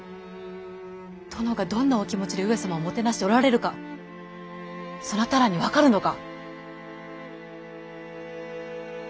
殿がどんなお気持ちで上様をもてなしておられるかそなたらに分かるのか。